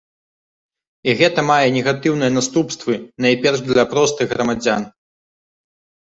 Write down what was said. І гэта мае негатыўныя наступствы найперш для простых грамадзян.